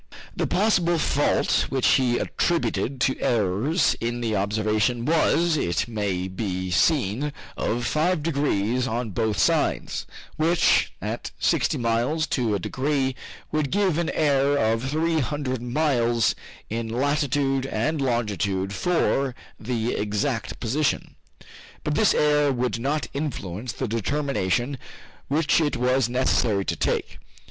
The possible fault which he attributed to errors in the observation was, it may be seen, of five degrees on both sides, which, at sixty miles to a degree, would give an error of three hundred miles in latitude and longitude for the exact position. But this error would not influence the determination which it was necessary to take.